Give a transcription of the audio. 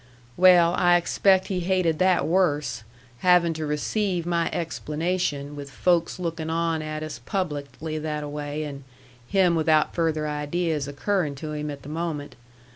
"Well, I expect he hated that worse, having to receive my explanation with folks lookin' on at us publicly that a way, and him without further ideas occurrin' to him at the moment.